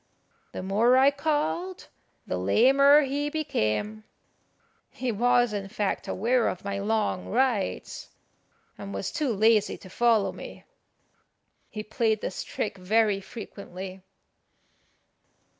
The more I called the lamer he became. He was, in fact, aware of my long rides, and was too lazy to follow me. He played this trick very frequently.